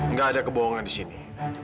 nggak ada kebohongan di sini